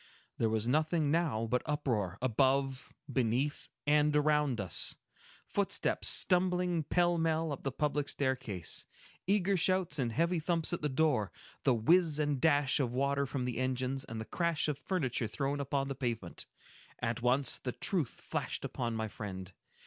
There was nothing now but uproar, above, beneath, and around us; footsteps stumbling pell mell up the public staircase, eager shouts and heavy thumps at the door, the whiz and dash of water from the engines, and the crash of furniture thrown upon the pavement. At once, the truth flashed upon my friend.